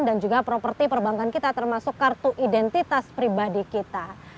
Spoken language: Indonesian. dan juga properti perbankan kita termasuk kartu identitas pribadi kita